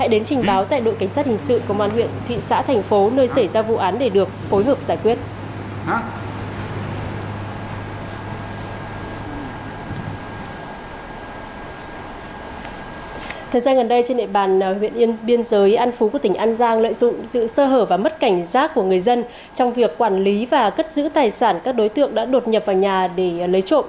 đang lợi dụng sự sơ hở và mất cảnh giác của người dân trong việc quản lý và cất giữ tài sản các đối tượng đã đột nhập vào nhà để lấy trộm